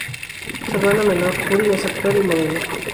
Su hermano menor, Juri, es actor y modelo.